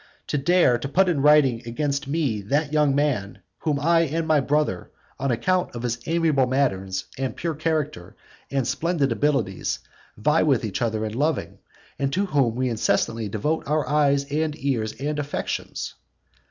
to dare to put this in writing against that young man, whom I and my brother, on account of his amiable manners, and pure character, and splendid abilities, vie with one another in loving, and to whom we incessantly devote our eyes, and ears, and affections!